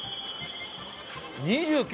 ２９？